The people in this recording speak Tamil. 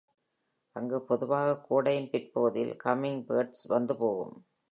அங்கு பொதுவாக கோடையின் பிற்பகுதியில் ஹம்மிங்பேர்ட்ஸ் வந்து போகும்.